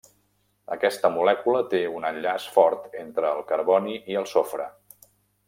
Aquesta molècula té un enllaç fort entre el carboni i el sofre.